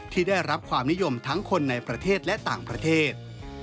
ที่ได้รับความนิยมทั้งคนในประเทศและต่างประเทศ